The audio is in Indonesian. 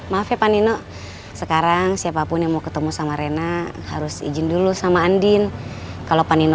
maaf ya panino sekarang siapapun yang mau ketemu sama rena harus izin dulu sama andin kalau panino